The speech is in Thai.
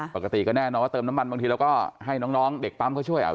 ปกติก็แน่นอนว่าเติมน้ำมันบางทีเราก็ให้น้องเด็กปั๊มเขาช่วย